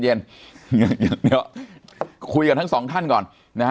อย่างเดี๋ยวคุยกับทั้งสองท่านก่อน